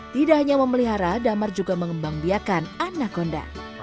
tidak hanya memelihara damar juga mengembang biakan anakonda